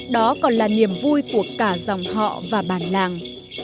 đó còn là niềm vui của cả dòng họ và bản làng